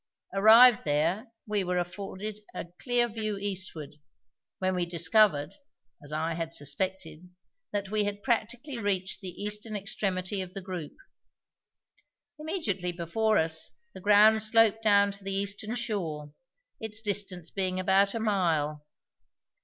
Arrived there, we were afforded a clear view eastward, when we discovered, as I had suspected, that we had practically reached the eastern extremity of the group. Immediately before us the ground sloped down to the eastern shore, its distance being about a mile.